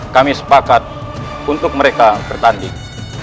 kami sepakat untuk mereka bertanding